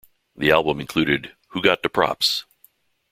The album included Who Got Da Props?